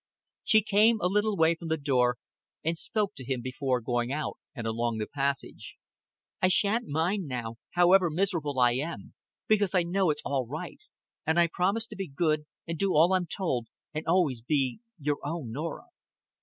She came a little way from the door, and spoke to him before going out and along the passage. "I shan't mind now however miserable I am because I know it's all right. An' I promise to be good, an' do all I'm told, an' always be your own Norah."